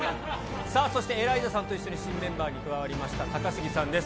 そして、エライザさんと一緒に新メンバーに加わりました、高杉さんです。